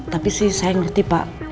tapi sih saya ngerti pak